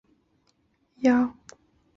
有脓皮症并发的情形会使用抗菌药。